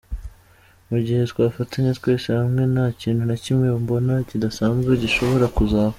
Mu gihe twafatanya twese hamwe, nta kintu na kimwe mbona kidasanzwe gishobora kuzaba.